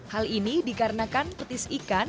hal ini dikarenakan petis ikan